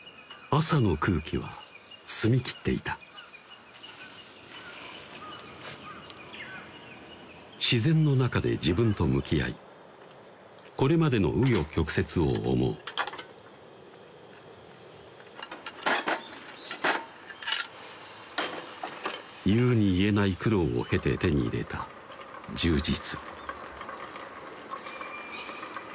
朝の空気は澄み切っていた自然の中で自分と向き合いこれまでの紆余曲折を思う言うに言えない苦労を経て手に入れた充実